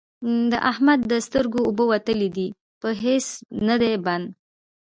د احمد د سترګو اوبه وتلې دي؛ په هيڅ نه دی بند،